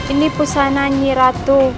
ini pusananya ratu